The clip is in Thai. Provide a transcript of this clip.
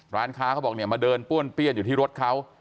ร้านค้าเขาบอกเนี่ยมาเดินป้วนเปี้ยนอยู่ที่รถเขา